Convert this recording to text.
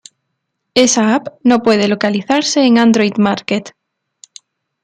Esa app no puede localizarse en Android Market.